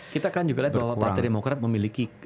kita kan juga lihat bahwa partai demokrat memiliki